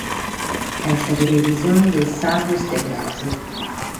Est sa televisione de sos sardos de cras.